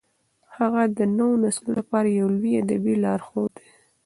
هغه د نوو نسلونو لپاره یو لوی ادبي لارښود دی.